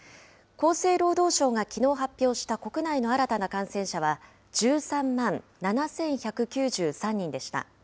厚生労働省がきのう発表した国内の新たな感染者は、１３万７１９３人でした。